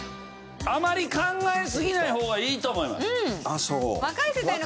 あまり考えすぎない方がいいと思います。